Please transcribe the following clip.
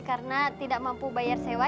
karena tidak mampu bayar sewa